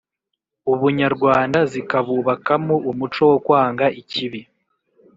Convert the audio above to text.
ubunyarwanda, zikabubakamo umuco wo kwanga ikibi